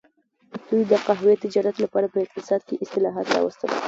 دوی د قهوې تجارت لپاره په اقتصاد کې اصلاحات راوستل.